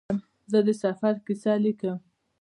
زه د سفر کیسه لیکم.